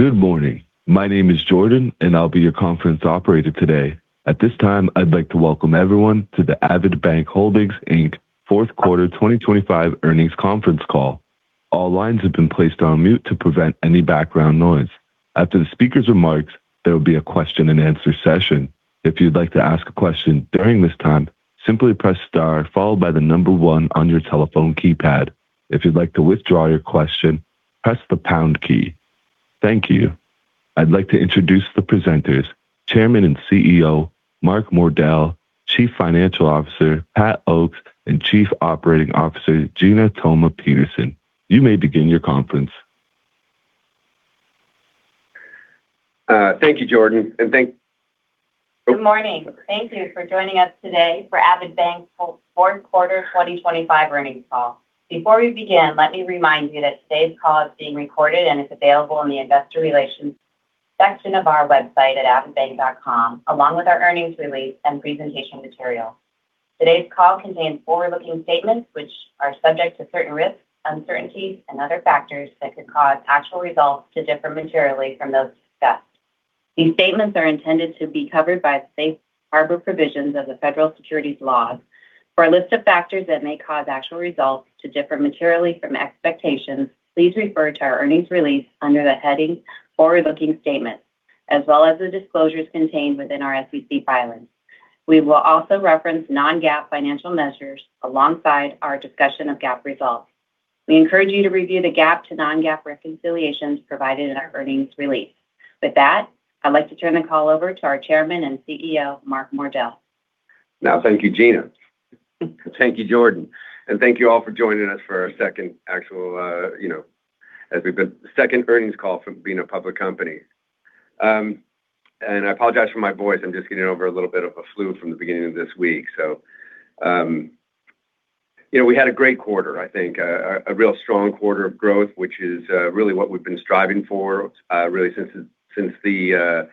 Good morning. My name is Jordan, and I'll be your conference operator today. At this time, I'd like to welcome everyone to the Avidbank Holdings, Inc Fourth Quarter 2025 Earnings Conference Call. All lines have been placed on mute to prevent any background noise. After the speakers' remarks, there will be a question and answer session. If you'd like to ask a question during this time, simply press star followed by the number one on your telephone keypad. If you'd like to withdraw your question, press the pound key. Thank you. I'd like to introduce the presenters, Chairman and CEO, Mark Mordell, Chief Financial Officer, Pat Oakes, and Chief Operating Officer, Gina Thoma Peterson. You may begin your conference. Thank you, Jordan, and thank-- Good morning. Thank you for joining us today for Avidbank fourth quarter 2025 earnings call. Before we begin, let me remind you that today's call is being recorded and is available on the investor relations section of our website at avidbank.com, along with our earnings release and presentation material. Today's call contains forward-looking statements which are subject to certain risks, uncertainties, and other factors that could cause actual results to differ materially from those discussed. These statements are intended to be covered by the Safe Harbor Provisions of the Federal Securities Laws. For a list of factors that may cause actual results to differ materially from expectations, please refer to our earnings release under the heading Forward-Looking Statements, as well as the disclosures contained within our SEC filings. We will also reference non-GAAP financial measures alongside our discussion of GAAP results. We encourage you to review the GAAP to non-GAAP reconciliations provided in our earnings release. With that, I'd like to turn the call over to our Chairman and CEO, Mark Mordell. Now, thank you, Gina. Thank you, Jordan, and thank you all for joining us for our second actual, you know, as we've been, second earnings call from being a public company. And I apologize for my voice. I'm just getting over a little bit of a flu from the beginning of this week. So, you know, we had a great quarter, I think, a real strong quarter of growth, which is really what we've been striving for, really since the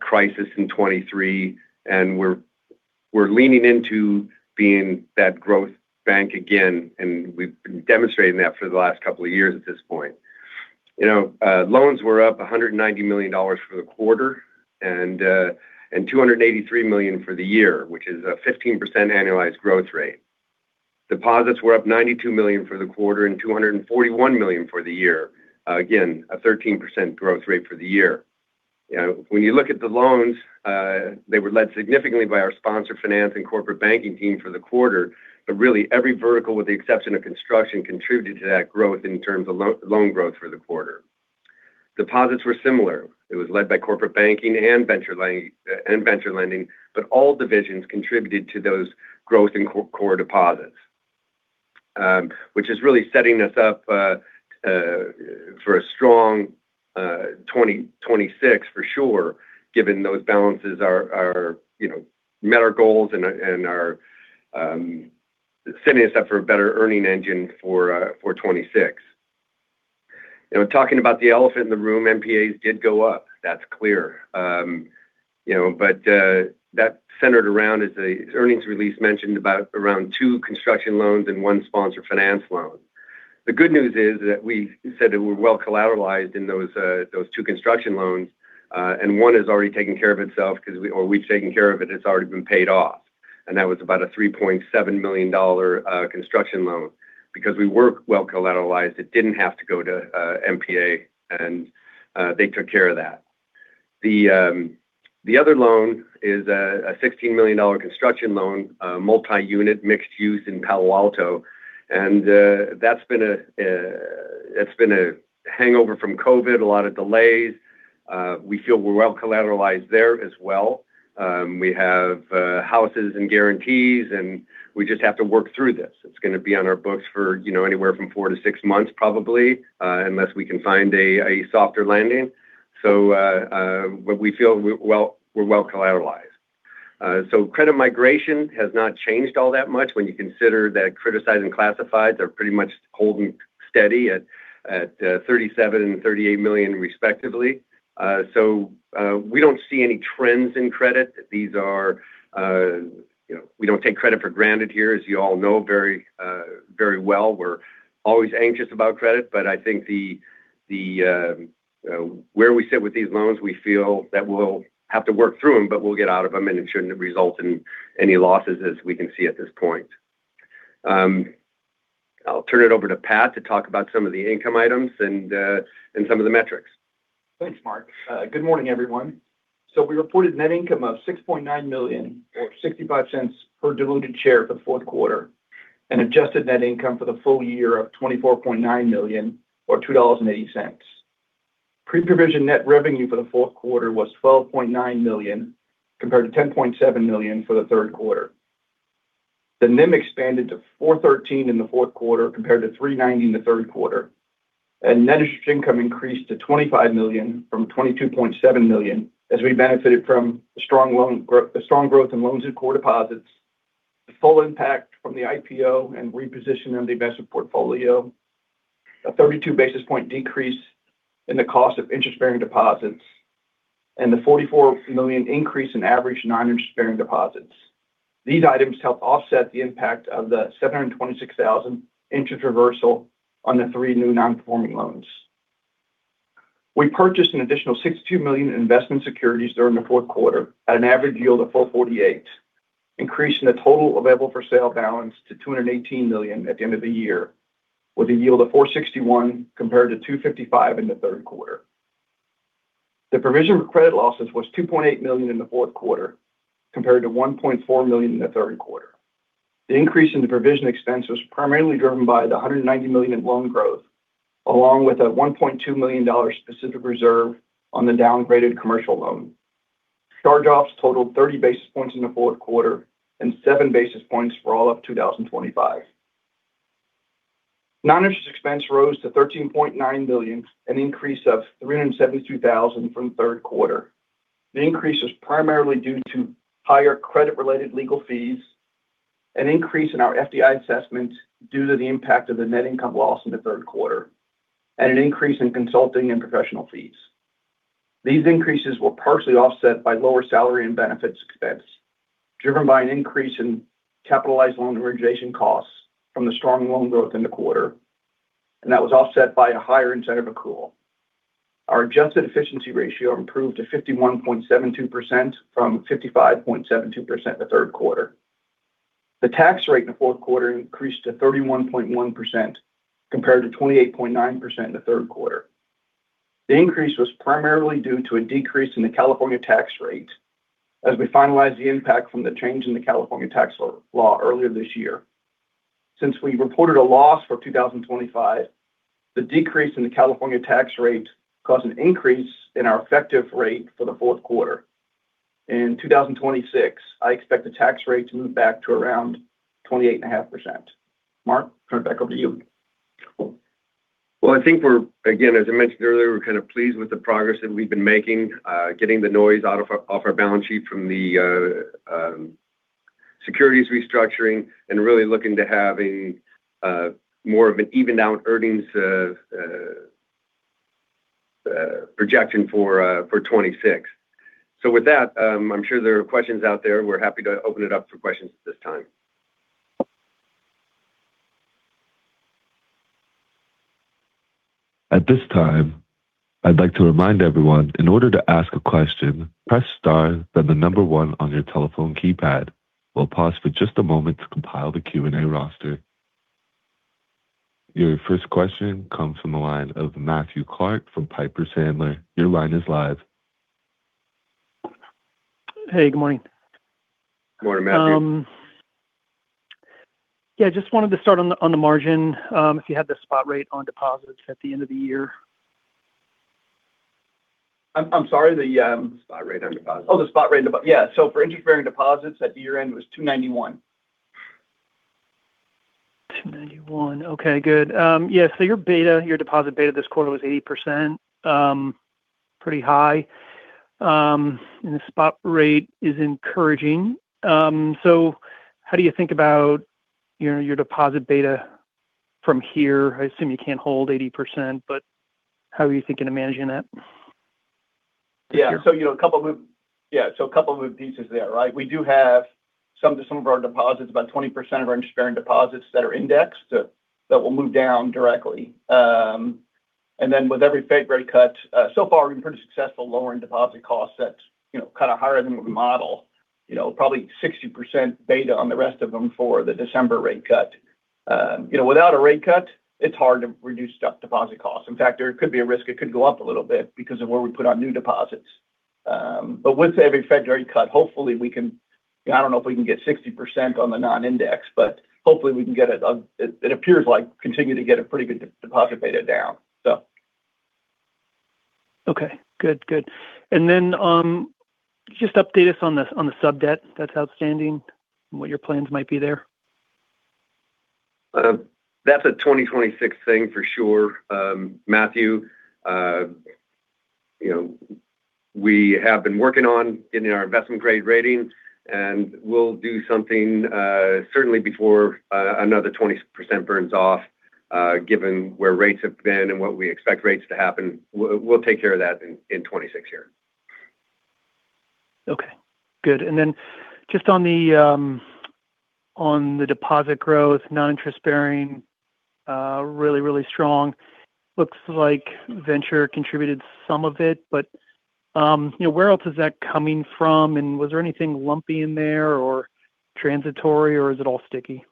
crisis in 2023. And we're leaning into being that growth bank again, and we've been demonstrating that for the last couple of years at this point. You know, loans were up $190 million for the quarter and $283 million for the year, which is a 15% annualized growth rate. Deposits were up $92 million for the quarter and $241 million for the year. Again, a 13% growth rate for the year. You know, when you look at the loans, they were led significantly by our sponsor finance and corporate banking team for the quarter, but really every vertical, with the exception of construction, contributed to that growth in terms of loan growth for the quarter. Deposits were similar. It was led by corporate banking and venture lending, and venture lending, but all divisions contributed to those growth in core deposits, which is really setting us up, for a strong, 2026 for sure, given those balances are, you know, met our goals and are, setting us up for a better earning engine for, for 2026. Now, talking about the elephant in the room, NPAs did go up. That's clear. You know, but, that centered around, as the earnings release mentioned, around two construction loans and one sponsor finance loan. The good news is that we said that we're well collateralized in those two construction loans, and one is already taking care of itself because we've taken care of it, it's already been paid off, and that was about a $3.7 million construction loan. Because we were well collateralized, it didn't have to go to NPA, and they took care of that. The other loan is a $16 million construction loan, a multi-unit, mixed-use in Palo Alto, and that's been a hangover from COVID, a lot of delays. We feel we're well collateralized there as well. We have houses and guarantees, and we just have to work through this. It's gonna be on our books for, you know, anywhere from four-six months, probably, unless we can find a softer landing. So, but we feel we're well collateralized. So credit migration has not changed all that much when you consider that criticized classifieds are pretty much holding steady at $37 million and $38 million respectively. So, we don't see any trends in credit. These are--you know, we don't take credit for granted here, as you all know very well. We're always anxious about credit, but I think where we sit with these loans, we feel that we'll have to work through them, but we'll get out of them, and it shouldn't result in any losses as we can see at this point. I'll turn it over to Pat to talk about some of the income items and some of the metrics. Thanks, Mark. Good morning, everyone. So we reported net income of $6.9 million or $0.65 per diluted share for the fourth quarter and adjusted net income for the full year of $24.9 million or $2.80. Pre-provision net revenue for the fourth quarter was $12.9 million, compared to $10.7 million for the third quarter. The NIM expanded to 4.13% in the fourth quarter, compared to 3.90% in the third quarter, and net interest income increased to $25 million from $22.7 million as we benefited from the strong loan growth, the strong growth in loans and core deposits, the full impact from the IPO and repositioning of the investment portfolio, a 32 basis point decrease in the cost of interest-bearing deposits. And the $44 million increase in average non-interest-bearing deposits. These items helped offset the impact of the $726,000 interest reversal on the three new non-performing loans. We purchased an additional $62 million investment securities during the fourth quarter at an average yield of 4.48%, increasing the total available for sale balance to $218 million at the end of the year, with a yield of 4.61% compared to 2.55% in the third quarter. The provision for credit losses was $2.8 million in the fourth quarter, compared to $1.4 million in the third quarter. The increase in the provision expense was primarily driven by the $190 million in loan growth, along with a $1.2 million specific reserve on the downgraded commercial loan. Charge-offs totaled 30 basis points in the fourth quarter and 7 basis points for all of 2025. Non-interest expense rose to $13.9 million, an increase of $372,000 from third quarter. The increase was primarily due to higher credit-related legal fees, an increase in our FDIC assessments due to the impact of the net income loss in the third quarter, and an increase in consulting and professional fees. These increases were partially offset by lower salary and benefits expense, driven by an increase in capitalized loan origination costs from the strong loan growth in the quarter, and that was offset by a higher incentive accrual. Our adjusted efficiency ratio improved to 51.72% from 55.72% the third quarter. The tax rate in the fourth quarter increased to 31.1%, compared to 28.9% in the third quarter. The increase was primarily due to a decrease in the California tax rate as we finalized the impact from the change in the California tax law earlier this year. Since we reported a loss for 2025, the decrease in the California tax rate caused an increase in our effective rate for the fourth quarter. In 2026, I expect the tax rate to move back to around 28.5%. Mark, turn it back over to you. Well, I think we're again, as I mentioned earlier, we're kind of pleased with the progress that we've been making, getting the noise off our balance sheet from the securities restructuring and really looking to having more of an evened out earnings projection for 2026. So with that, I'm sure there are questions out there. We're happy to open it up for questions at this time. At this time, I'd like to remind everyone, in order to ask a question, press star, then the number one on your telephone keypad. We'll pause for just a moment to compile the Q&A roster. Your first question comes from the line of Matthew Clark from Piper Sandler. Your line is live. Hey, good morning. Good morning, Matthew. Yeah, just wanted to start on the margin, if you had the spot rate on deposits at the end of the year. I'm sorry. Spot rate on deposits. Oh, the spot rate on deposits. Yeah. So for interest-bearing deposits at year-end, it was 2.91%. 2.91%. Okay, good. Yeah, so your beta, your deposit beta this quarter was 80%, pretty high. And the spot rate is encouraging. So how do you think about, you know, your deposit beta from here? I assume you can't hold 80%, but how are you thinking of managing that? Yeah. So, you know, a couple of pieces there, right? We do have some of our deposits, about 20% of our interest-bearing deposits that are indexed, that will move down directly. And then with every Fed rate cut, so far, we've been pretty successful lowering deposit costs at, you know, kind of higher than we model. You know, probably 60% beta on the rest of them for the December rate cut. You know, without a rate cut, it's hard to reduce deposit costs. In fact, there could be a risk it could go up a little bit because of where we put on new deposits. But with every Fed rate cut, hopefully, we can--I don't know if we can get 60% on the non-index, but hopefully, we can get it. It appears like continue to get a pretty good deposit beta down, so. Okay, good. Good. Then, just update us on the sub-debt that's outstanding and what your plans might be there. That's a 2026 thing for sure. Matthew, you know, we have been working on getting our investment-grade ratings, and we'll do something certainly before another 20% burns off, given where rates have been and what we expect rates to happen. We'll take care of that in 2026 here. Okay, good. And then just on the deposit growth, non-interest-bearing, really, really strong. Looks like Venture contributed some of it, but, you know, where else is that coming from? And was there anything lumpy in there or transitory, or is it all sticky?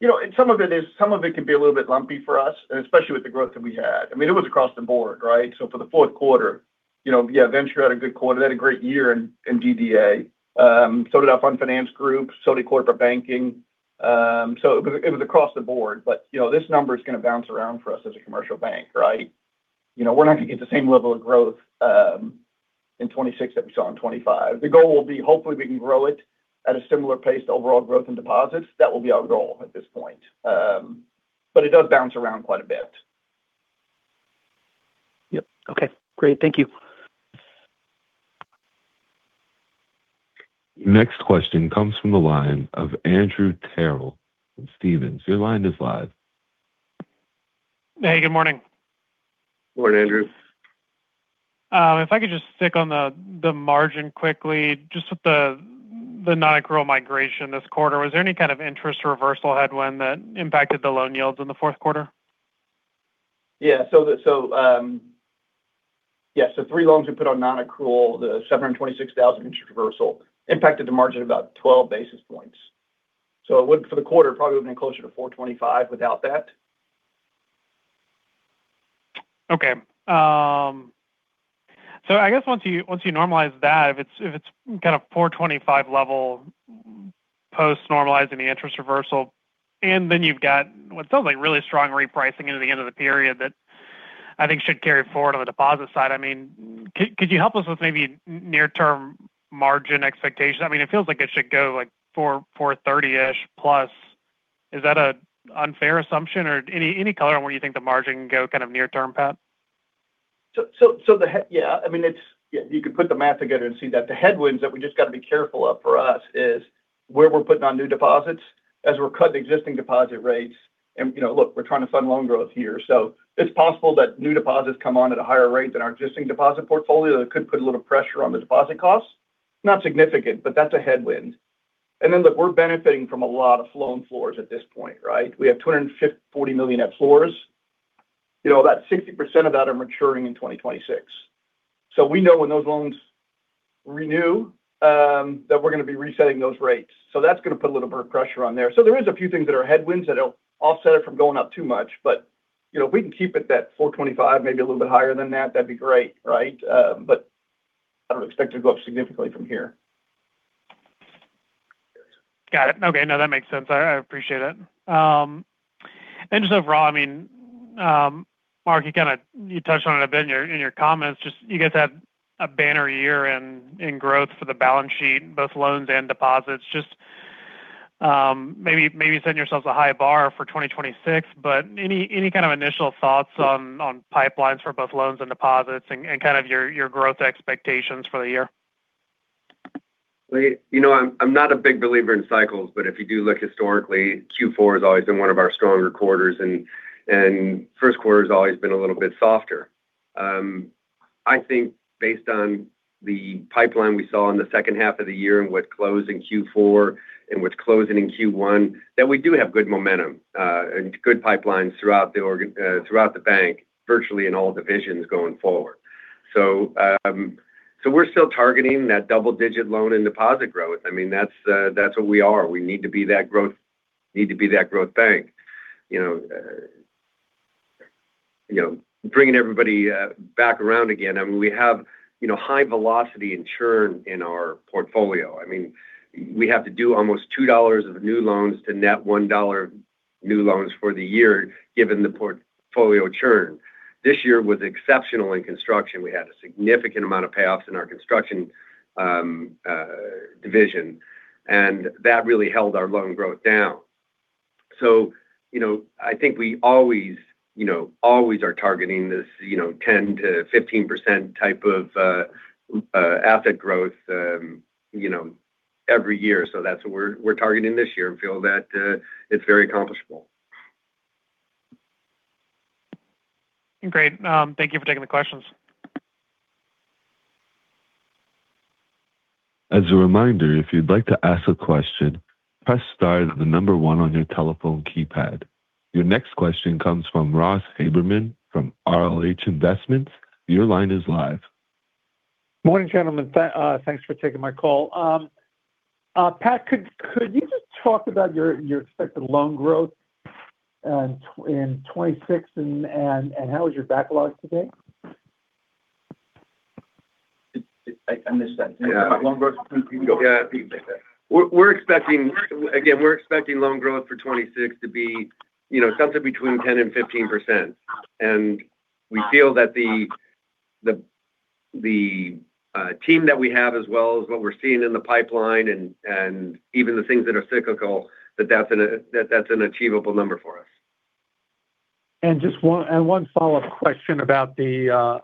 You know, and some of it is, some of it can be a little bit lumpy for us, and especially with the growth that we had. I mean, it was across the board, right? So for the fourth quarter, you know, yeah, Venture had a good quarter, they had a great year in DDA. So did our fund finance group, so did corporate banking. So it was, it was across the board, but, you know, this number is going to bounce around for us as a commercial bank, right? You know, we're not going to get the same level of growth, in 2026 that we saw in 2025. The goal will be, hopefully, we can grow it at a similar pace to overall growth in deposits. That will be our goal at this point. But it does bounce around quite a bit. Yep. Okay, great. Thank you. Next question comes from the line of Andrew Terrell from Stephens. Your line is live. Hey, good morning. Good morning, Andrew. If I could just stick on the margin quickly, just with the non-accrual migration this quarter, was there any kind of interest reversal headwind that impacted the loan yields in the fourth quarter? Yeah. So, yes, the three loans we put on nonaccrual, the $726,000 interest reversal impacted the margin about 12 basis points. So it would, for the quarter, probably been closer to 4.25% without that. Okay. So I guess once you normalize that, if it's kind of 4.25% level post-normalizing the interest reversal, and then you've got what sounds like really strong repricing into the end of the period that I think should carry forward on the deposit side. I mean, could you help us with maybe near-term margin expectations? I mean, it feels like it should go like 4%, +4.30%-ish. Is that an unfair assumption or any color on where you think the margin can go kind of near-term, Pat? Yeah, I mean, it's. You can put the math together and see that. The headwinds that we just got to be careful of for us is where we're putting on new deposits as we're cutting existing deposit rates. And, you know, look, we're trying to fund loan growth here. So it's possible that new deposits come on at a higher rate than our existing deposit portfolio. That could put a little pressure on the deposit costs. Not significant, but that's a headwind. And then, look, we're benefiting from a lot of flow and floors at this point, right? We have $254 million at floors. You know, about 60% of that are maturing in 2026. So we know when those loans renew, that we're going to be resetting those rates. So that's going to put a little bit of pressure on there. So there is a few things that are headwinds that will offset it from going up too much, but, you know, if we can keep it that 4.25%, maybe a little bit higher than that, that'd be great, right? But I don't expect it to go up significantly from here. Got it. Okay. No, that makes sense. I appreciate it. And just overall, I mean, Mark, you kind of, you touched on it a bit in your, in your comments, just you guys had a banner year in, in growth for the balance sheet, both loans and deposits. Just, maybe, maybe setting yourselves a high bar for 2026, but any, any kind of initial thoughts on, on pipelines for both loans and deposits and, and kind of your, your growth expectations for the year? Well, you know, I'm not a big believer in cycles, but if you do look historically, Q4 has always been one of our stronger quarters, and first quarter's always been a little bit softer. I think based on the pipeline we saw in the second half of the year and what closed in Q4 and what's closing in Q1, that we do have good momentum, and good pipelines throughout the bank, virtually in all divisions going forward. So, we're still targeting that double-digit loan and deposit growth. I mean, that's what we are. We need to be that growth, need to be that growth bank. You know, bringing everybody back around again, I mean, we have, you know, high velocity and churn in our portfolio. I mean, we have to do almost $2 of new loans to net $1 new loans for the year, given the portfolio churn. This year was exceptional in construction. We had a significant amount of payoffs in our construction division, and that really held our loan growth down. So, you know, I think we always, you know, always are targeting this, you know, 10%-15% type of asset growth, you know, every year. So that's what we're targeting this year and feel that it's very accomplishable. Great. Thank you for taking the questions. As a reminder, if you'd like to ask a question, press star, the number one on your telephone keypad. Your next question comes from Ross Haberman from RLH Investments. Your line is live. Morning, gentlemen. Thanks for taking my call. Pat, could you just talk about your expected loan growth in 2026, and how is your backlog today? I missed that. Loan growth? You go. Yeah. We're expecting. Again, we're expecting loan growth for 2026 to be, you know, something between 10% and 15%. And we feel that the team that we have, as well as what we're seeing in the pipeline and even the things that are cyclical, that that's an achievable number for us. And just one—and one follow-up question about the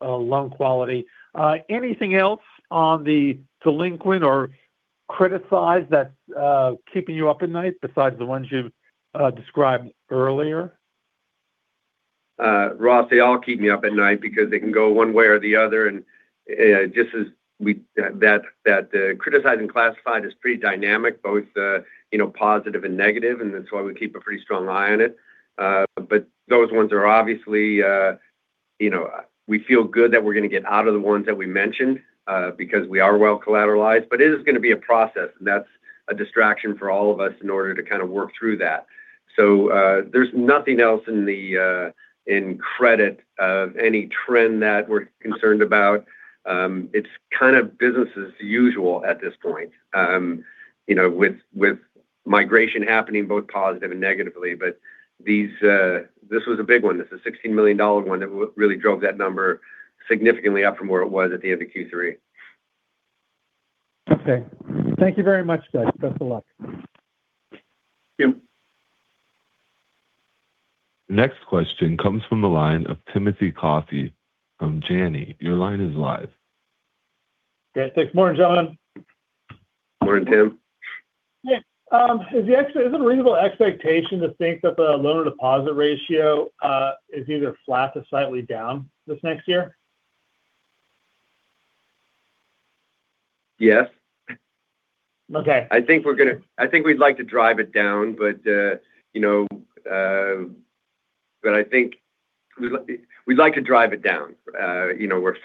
loan quality. Anything else on the delinquent or criticized that's keeping you up at night besides the ones you've described earlier? Ross, they all keep me up at night because they can go one way or the other, and criticized and classified is pretty dynamic, both you know, positive and negative, and that's why we keep a pretty strong eye on it. But those ones are obviously you know, we feel good that we're going to get out of the ones that we mentioned because we are well collateralized. But it is going to be a process, and that's a distraction for all of us in order to kind of work through that. So, there's nothing else in the in credit of any trend that we're concerned about. It's kind of business as usual at this point, you know, with migration happening both positive and negative. But this was a big one. This is a $16 million one that really drove that number significantly up from where it was at the end of Q3. Okay. Thank you very much, guys. Best of luck. Thank you. The next question comes from the line of Timothy Coffey from Janney. Your line is live. Yeah, thanks. Morning, John. Morning, Tim. Yeah. Is it a reasonable expectation to think that the loan-to-deposit ratio is either flat or slightly down this next year? Yes. Okay. I think we'd like to drive it down, but you know, but I think we'd like to drive it down. You know, we're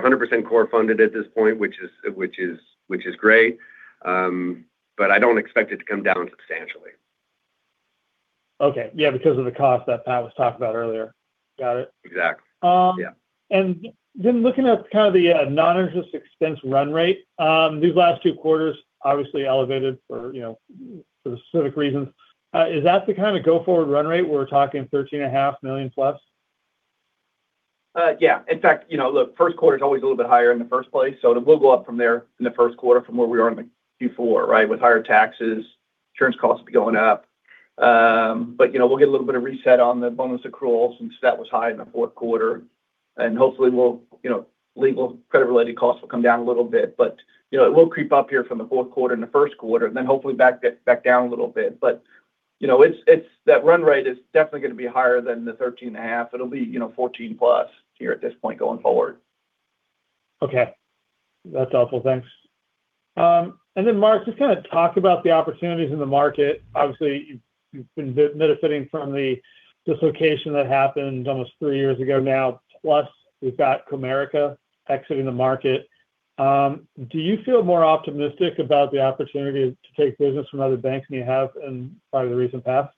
100% core funded at this point, which is great. But I don't expect it to come down substantially. Okay. Yeah, because of the cost that Pat was talking about earlier. Got it. Exactly. Yeah. And then looking at kind of the non-interest expense run rate, these last two quarters, obviously elevated for, you know, for specific reasons. Is that the kind of go-forward run rate we're talking $13.5 million plus? Yeah. In fact, you know, look, first quarter is always a little bit higher in the first place, so it will go up from there in the first quarter from where we are in the Q4, right? With higher taxes, insurance costs going up. But, you know, we'll get a little bit of reset on the bonus accrual since that was high in the fourth quarter. And hopefully we'll, you know, legal credit-related costs will come down a little bit, but, you know, it will creep up here from the fourth quarter and the first quarter, and then hopefully back down a little bit. But, you know, it's that run rate is definitely going to be higher than the $13.5 million. It'll be, you know, $14 million+ here at this point going forward. Okay. That's helpful. Thanks. And then, Mark, just kind of talk about the opportunities in the market. Obviously, you've, you've been benefiting from the dislocation that happened almost three years ago now. Plus, we've got Comerica exiting the market. Do you feel more optimistic about the opportunity to take business from other banks than you have in part of the recent past?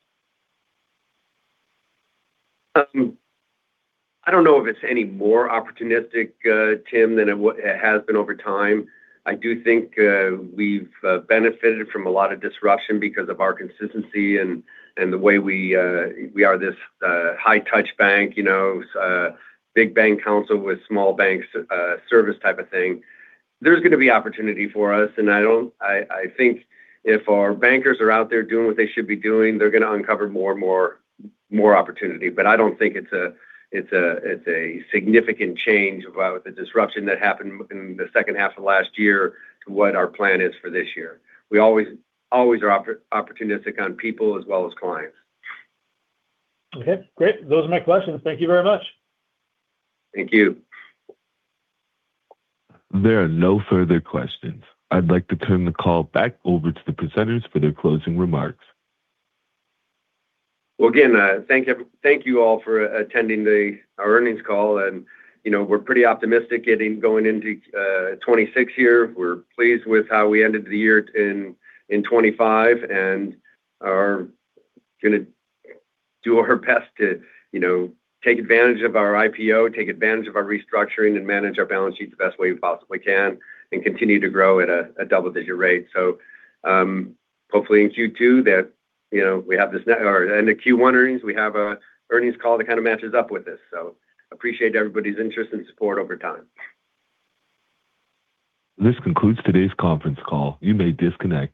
I don't know if it's any more opportunistic, Tim, than it has been over time. I do think we've benefited from a lot of disruption because of our consistency and the way we are this high touch bank, you know, big bank council with small banks service type of thing. There's going to be opportunity for us, and I don't--I think if our bankers are out there doing what they should be doing, they're going to uncover more and more opportunity. But I don't think it's a significant change about the disruption that happened in the second half of last year to what our plan is for this year. We always are opportunistic on people as well as clients. Okay, great. Those are my questions. Thank you very much. Thank you. There are no further questions. I'd like to turn the call back over to the presenters for their closing remarks. Well, again, thank you, thank you all for attending the, our earnings call. And, you know, we're pretty optimistic getting-- going into 2026 here. We're pleased with how we ended the year in 2025 and are gonna do our best to, you know, take advantage of our IPO, take advantage of our restructuring, and manage our balance sheet the best way we possibly can, and continue to grow at a double-digit rate. So, hopefully in Q2, that, you know, we have this now-- or in the Q1 earnings, we have a earnings call that kind of matches up with this. So appreciate everybody's interest and support over time. This concludes today's conference call. You may disconnect.